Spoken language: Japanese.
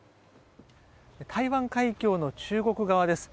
台湾海峡の中国側です。